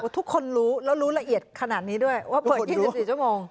ทุกคนรู้แล้วรู้ละเอียดขนาดนี้ด้วยว่าเปิด๒๔ชั่วโมง